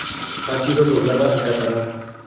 Ha sido doblada al catalán.